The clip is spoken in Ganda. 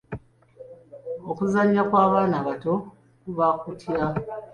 Okuzannya kw’abaana abato kuba kutya?